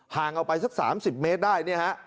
ห่างเอาไปสัก๓๐เมตรได้